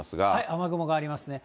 雨雲がありますね。